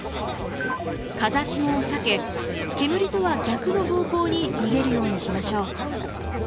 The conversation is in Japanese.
「風下」を避け煙とは逆の方向に逃げるようにしましょう。